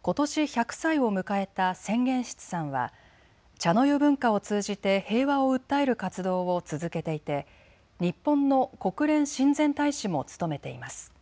ことし１００歳を迎えた千玄室さんは茶の湯文化を通じて平和を訴える活動を続けていて日本の国連親善大使も務めています。